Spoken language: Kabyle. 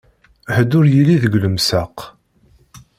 Ḥedd ur yelli deg lemsaq.